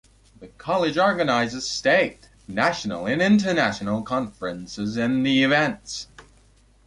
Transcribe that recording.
The college organises state, national, and international conferences and events.